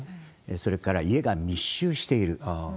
それから、家が密集している。